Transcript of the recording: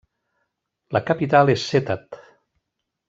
La capital és Settat.